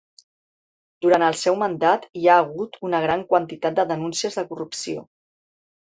Durant el seu mandat hi ha hagut una gran quantitat de denúncies de corrupció.